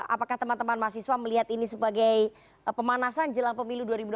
apakah teman teman mahasiswa melihat ini sebagai pemanasan jelang pemilu dua ribu dua puluh